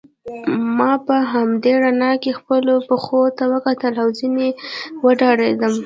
ما په همدې رڼا کې خپلو پښو ته وکتل او ځینې وډارېدم.